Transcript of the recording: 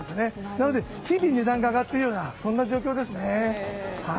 なので日々、値段が上がっているような状況ですね。